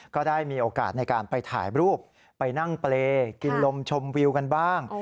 ก็ได้มีโอกาสในการไปถ่ายรูปไปนั่งเปรย์กินลมชมวิวกันบ้าง